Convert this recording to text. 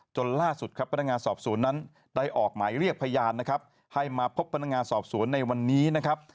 จนล่าสุดครับพนักงานสอบสวนนั้นได้ออกหมายเรียกพยานนะครับให้มาพบพนักงานสอบสวนในวันนี้นะครับ